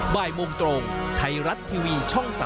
บ่ายโมงตรงไทยรัฐทีวีช่อง๓๒